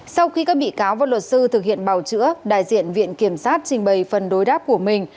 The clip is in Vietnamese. sau khi các bị cáo và luật sư thực hiện bào chữa đại diện viện kiểm sát trình bày phần đối đáp của mình